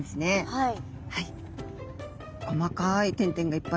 はい。